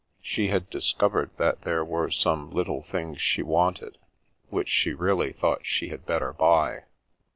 She had discovered that there were some " little things she wanted, which she really thought she had better buy."